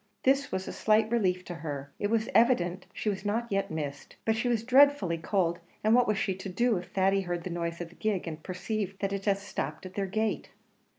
This was a slight relief to her it was evident she was not yet missed; but she was dreadfully cold, and what was she to do if Thady heard the noise of the gig, and perceived that it had stopped at their gate?